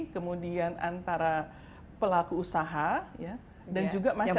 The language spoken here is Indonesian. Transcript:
kemudian antara pelaku usaha dan juga masyarakat